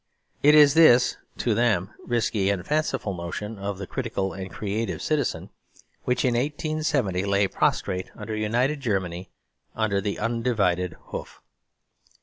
It is this, to them, risky and fanciful notion of the critical and creative Citizen, which in 1870 lay prostrate under United Germany under the undivided hoof.